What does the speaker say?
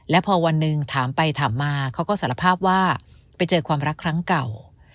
และพอวันหนึ่งถามไปถามมาเขาก็สารภาพว่าไปเจอความรักครั้งเก่า